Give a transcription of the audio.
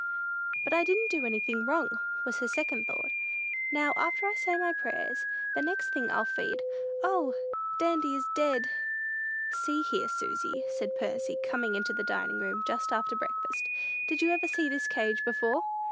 "But I didn't do anything wrong," was her second thought. "Now, after I say my prayers, the next thing I'll feed O, Dandy is dead!" "See here, Susy," said Percy, coming into the dining room, just after breakfast; "did you ever see this cage before?"